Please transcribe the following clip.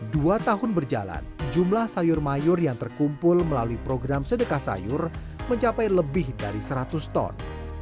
dua tahun berjalan jumlah sayur mayur yang terkumpul melalui program sedekah sayur mencapai lebih dari seratus ton